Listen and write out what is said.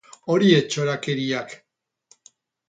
Horiek txorakeriak!